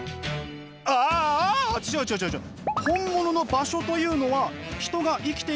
ああ違う違う違う違う。